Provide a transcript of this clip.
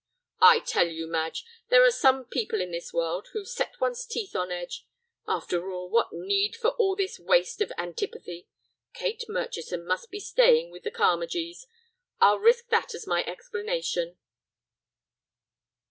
"I tell you, Madge, there are some people in this world who set one's teeth on edge. After all, what need for all this waste of antipathy. Kate Murchison must be staying with the Carmagees. I'll risk that as my explanation."